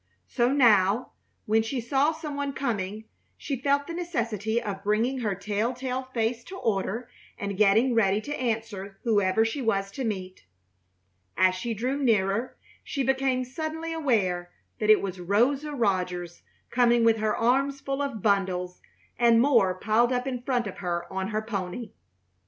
So now, when she saw some one coming, she felt the necessity of bringing her telltale face to order and getting ready to answer whoever she was to meet. As she drew nearer she became suddenly aware that it was Rosa Rogers coming with her arms full of bundles and more piled up in front of her on her pony.